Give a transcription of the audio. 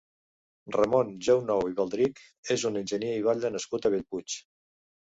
Ramon Jounou i Baldrich és un enginyer i batlle nascut a Bellpuig.